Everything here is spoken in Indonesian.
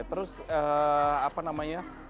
terus apa namanya